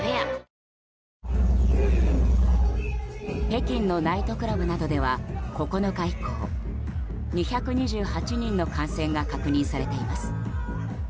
北京のナイトクラブなどでは９日以降２２８人の感染が確認されています。